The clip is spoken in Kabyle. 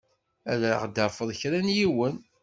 Ad d-afeɣ kra n yiwen.